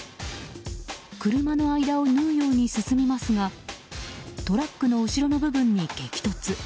車の間を縫うように進みますがトラックの後ろの部分に激突。